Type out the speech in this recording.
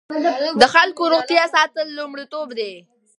د خلکو روغتیا ساتل لومړیتوب دی.